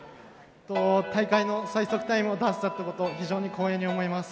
大会の最速タイムを出せたってこと非常に光栄に思います。